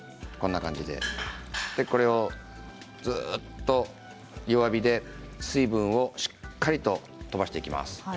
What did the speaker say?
これをずーっと弱火で水分をしっかりと飛ばしていきます。